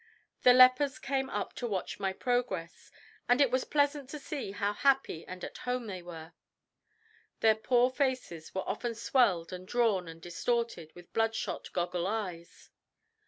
The lepers came up to watch my progress, and it was pleasant to see how happy and at home they were. Their poor faces were often swelled and drawn and distorted, with bloodshot goggle eyes.